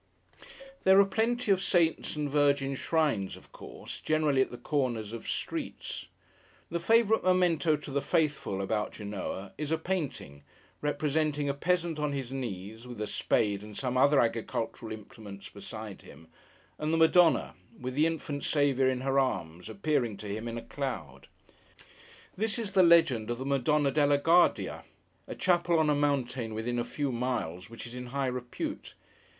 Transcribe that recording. There are plenty of Saints' and Virgin's Shrines, of course; generally at the corners of streets. The favourite memento to the Faithful, about Genoa, is a painting, representing a peasant on his knees, with a spade and some other agricultural implements beside him; and the Madonna, with the Infant Saviour in her arms, appearing to him in a cloud. This is the legend of the Madonna della Guardia: a chapel on a mountain within a few miles, which is in high repute.